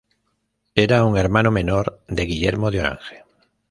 Era un hermano menor de Guillermo de Orange.